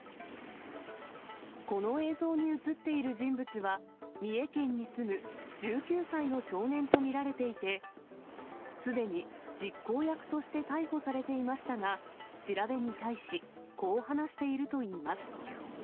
この映像に写っている人物は、三重県に住む１９歳の少年と見られていて、すでに実行役として逮捕されていましたが、調べに対し、こう話しているといいます。